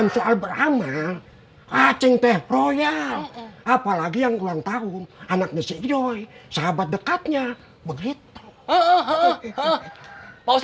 soal beramal kacing teh royal apalagi yang ulang tahun anaknya si joy sahabat dekatnya begitu